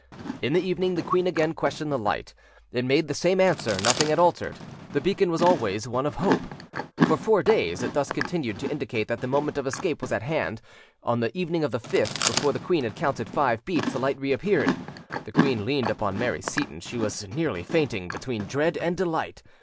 In the evening the queen again questioned the light: it made the same answer; nothing had altered; the beacon was always one of hope. For four days it thus continued to indicate that the moment of escape was at hand; on the evening of the fifth, before the queen had counted five beats, the light reappeared: the queen leaned upon Mary Seyton; she was nearly fainting, between dread and 'delight.